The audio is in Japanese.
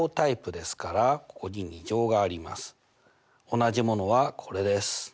同じものはこれです。